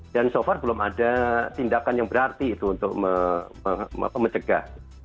dan so far belum ada tindakan yang berarti itu untuk mencegah